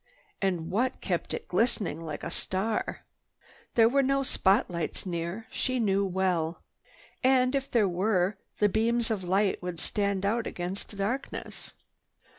And what kept it glistening like a star? That there were no spotlights near, she knew well. And if there were, their beams of light would stand out against the darkness.